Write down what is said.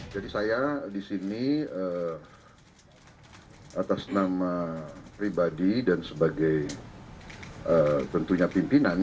jadi saya disini atas nama pribadi dan sebagai tentunya pimpinan